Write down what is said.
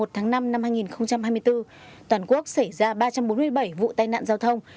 trong năm ngày nghỉ lễ từ ngày hai mươi bảy bốn một năm hai nghìn hai mươi bốn toàn quốc xảy ra ba trăm bốn mươi bảy vụ tai nạn giao thông